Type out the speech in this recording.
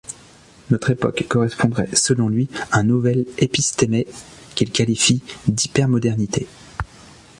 Notre époque correspondrait selon lui à un nouvel Épistémè, qu'il qualifie d'Hypermodernité.